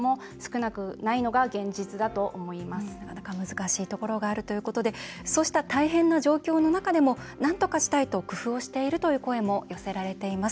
なかなか難しいところがあるということでそうした大変な状況の中でもなんとかしたいと工夫をしているという声も寄せられています。